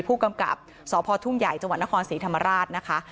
ผู้กำกับสพทุ่งใหญ่จังหวัดนครศรีธรรมราชนะคะ